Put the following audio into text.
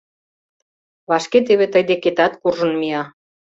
— Вашке теве тый декетат куржын мия.